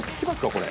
これ。